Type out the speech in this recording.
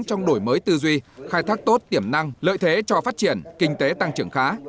trong đổi mới tư duy khai thác tốt tiềm năng lợi thế cho phát triển kinh tế tăng trưởng khá